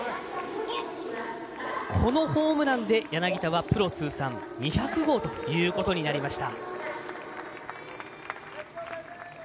これで柳田はプロ通算２００号ということになりました。